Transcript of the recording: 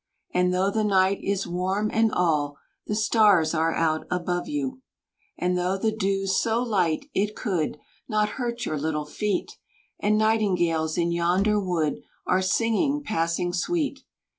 And though the night is warm, and all The stars are out above you; And though the dew's so light it could Not hurt your little feet, And nightingales in yonder wood Are singing passing sweet.